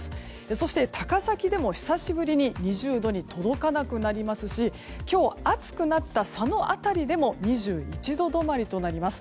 そして、高崎でも久しぶりに２０度に届かなくなりますし今日、暑くなった佐野辺りでも２１度止まりとなります。